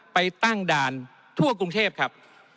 ไปตั้งด่านทั่วกรุงเทพครับ